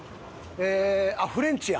あっフレンチや！